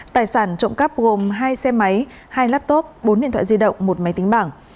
tài sản trộm cắp gồm hai xe máy hai laptop bốn điện thoại di động một máy tính bảng